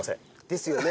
ですよね。